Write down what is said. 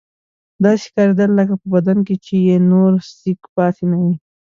داسې ښکارېدل لکه په بدن کې چې یې نور سېک پاتې نه وي.